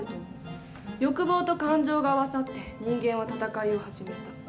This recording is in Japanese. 欲望と感情が合わさって人間は戦いを始めた。